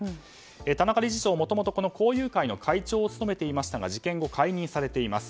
田中理事長はもともと校友会の会長を務めていましたが事件後、解任されています。